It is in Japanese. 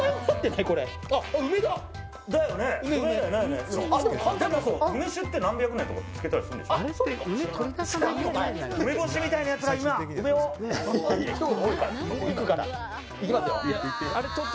でも梅酒って何百年とか漬けたりするんでしょ？